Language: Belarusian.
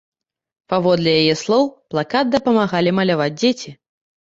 Паводле яе слоў, плакат дапамагалі маляваць дзеці.